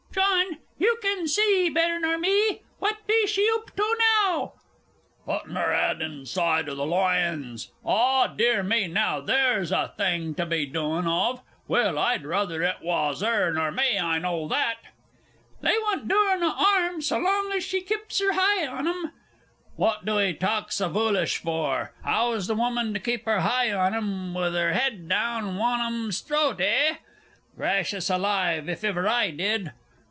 John, you can see better nor me what be she oop to now?... Puttin' 'er 'ed inside o' th' lion's? Aw, dear me, now there's a thing to be doin' of! Well, I'd ruther it was 'er nor me, I know that.... They wun't do 'er naw 'arm, so long's she kips 'er heye on 'em.... What do 'ee taak so voolish vor? How's th' wumman to kip 'er heye on 'em, with 'er 'ed down wan on 'em's throat, eh?... Gracious alive! if iver I did!...